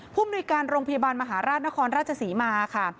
มนุยการโรงพยาบาลมหาราชนครราชศรีมาค่ะ